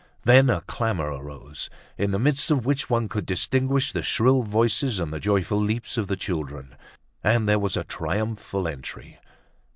Then a clamor arose, in the midst of which one could distinguish the shrill voices and the joyful leaps of the children. And there was a triumphal entry.